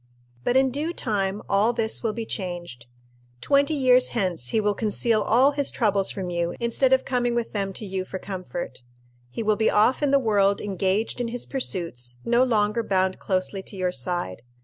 But in due time all this will be changed. Twenty years hence he will conceal all his troubles from you instead of coming with them to you for comfort. He will be off in the world engaged in his pursuits, no longer bound closely to your side.